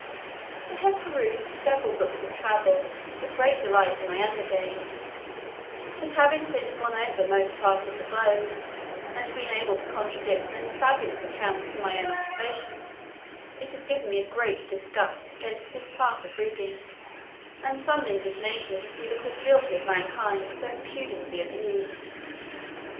I have perused several books of travels with great delight in my younger days; but having since gone over most parts of the globe, and been able to contradict many fabulous accounts from my own observation, it has given me a great disgust against this part of reading, and some indignation to see the credulity of mankind so impudently abused.